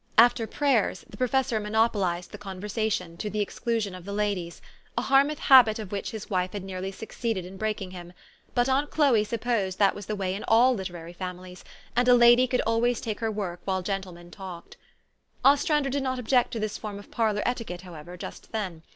After prayers, the professor monopolized the con* versation, to the exclusion of the ladies, a liar mouth habit of which his wife had nearly succeeded in breaking him ; but aunt Chloe supposed that was the way in ah 1 literary families, and a lady could always take her work while gentlemen talked. Ostrander did not object to this form of parlor, etiquette, however, just then.